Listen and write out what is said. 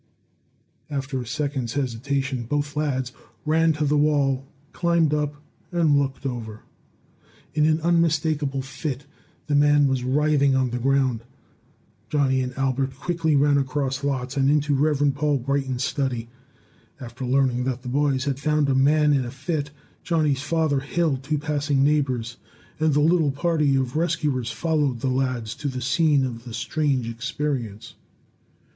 After a second's hesitation, both lads ran to the wall, climbed up, and looked over. In an unmistakable fit, the man was writhing on the ground. Johnny and Albert ran quickly across lots and into Rev. Paul Brighton's study. After learning that the boys had found a man in a fit, Johnny's father hailed two passing neighbors, and the little party of rescuers followed the lads to the scene of the strange experience.